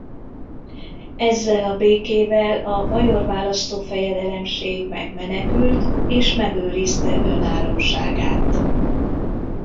Ezzel a békével a Bajor Választófejedelemség megmenekült és megőrizte önállóságát.